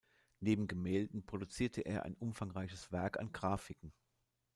Neben Gemälden produzierte er ein umfangreiches Werk an Graphiken.